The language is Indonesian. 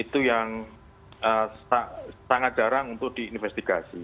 itu yang sangat jarang untuk diinvestigasi